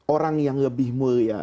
orang yang lebih mulia